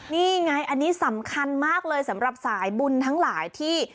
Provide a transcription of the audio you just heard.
นี่ไงอันนี้สำคัญมากเลยสำหรับสายบุญทั้งหลายที่